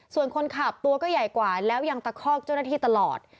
ส่วนคนขับตัวก็ใหญ่กว่าแล้วยังตะคอกเจ้าหน้าที่ตลอด